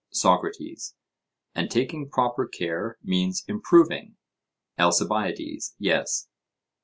SOCRATES: And taking proper care means improving? ALCIBIADES: Yes.